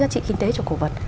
giá trị kinh tế cho cổ vật